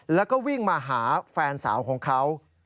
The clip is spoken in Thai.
แล้วก็วิ่งมาหาแฟนสาวของเขา